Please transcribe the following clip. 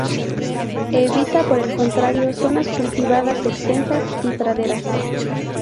Evita, por el contrario, zonas cultivadas extensas y praderas.